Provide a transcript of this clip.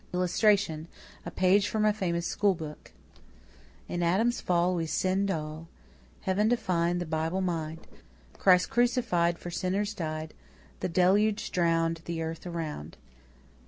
[Illustration: A PAGE FROM A FAMOUS SCHOOLBOOK A In ADAM'S Fall We sinned all. B Heaven to find, The Bible Mind. C Christ crucify'd For sinners dy'd. D The Deluge drown'd The Earth around.